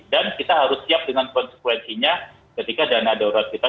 dan kita harus siap dengan konsekuensinya ketika dana darurat kita